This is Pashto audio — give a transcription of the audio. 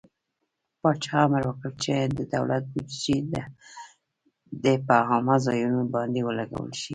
پاچا امر وکړ چې د دولت بودجې د په عامه ځايونو باندې ولګول شي.